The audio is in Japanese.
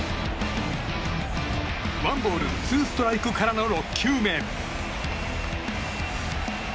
ワンボールツーストライクからの６球目。